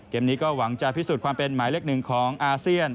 เกมนี้ก็หวังจะพิสูจน์ความเป็นหมายเลขหนึ่งของอาเซียน